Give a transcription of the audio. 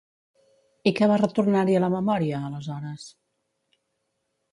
I què va retornar-li a la memòria, aleshores?